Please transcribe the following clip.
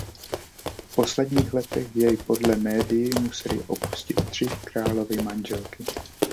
V posledních letech jej podle médií musely opustit tři královy manželky.